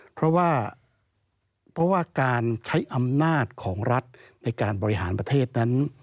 เพราะว่าเพราะว่าการใช้อำนาจของรัฐในการบริหารประเทศนั้น